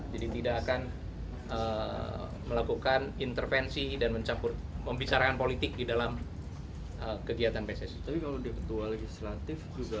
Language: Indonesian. jadi tidak akan melakukan intervensi dan membicarakan politik di dalam kegiatan pssi